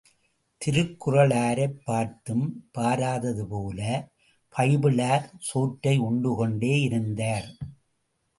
திருக்குறளாரைப் பார்த்தும் பாராதது போலப் பைபிளார் சோற்றை உண்டுகொண்டேயிருந்தார்.